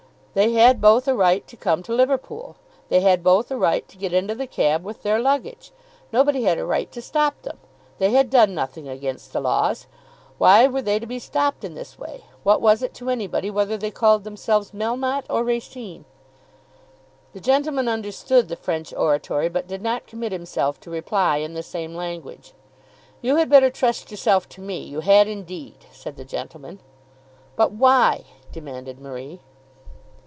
They had both a right to come to Liverpool. They had both a right to get into the cab with their luggage. Nobody had a right to stop them. They had done nothing against the laws. Why were they to be stopped in this way? What was it to anybody whether they called themselves Melmotte or Racine? The gentleman understood the French oratory, but did not commit himself to reply in the same language. "You had better trust yourself to me; you had indeed," said the gentleman. "But why?" demanded Marie.